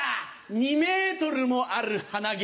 ２ｍもある鼻毛。